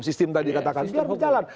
sistem tadi katakan sudah berjalan